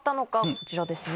こちらですね。